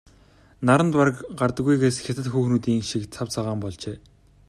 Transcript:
Наранд бараг гардаггүйгээс хятад хүүхнүүдийнх шиг цав цагаан болжээ.